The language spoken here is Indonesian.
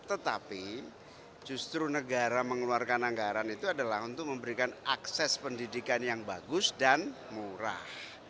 tetapi justru negara mengeluarkan anggaran itu adalah untuk memberikan akses pendidikan yang bagus dan murah